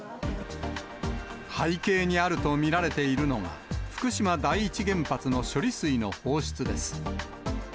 背景にあると見られているのが、福島第一原発の処理水の放出です。